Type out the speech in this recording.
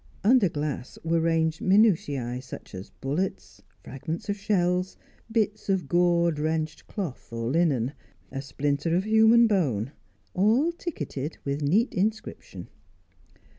Under glass were ranged minutiae such as bullets, fragments of shells, bits of gore drenched cloth or linen, a splinter of human bone all ticketed with neat inscription.